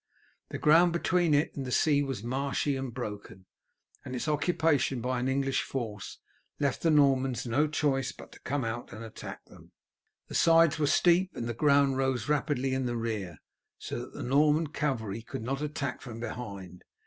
The ground between it and the sea was marshy and broken, and its occupation by an English force left the Normans no choice but to come out and attack them. The sides were steep and the ground rose rapidly in the rear, so that the Norman cavalry could not attack from behind.